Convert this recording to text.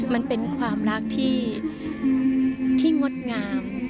มันเป็นความรักที่งดงาม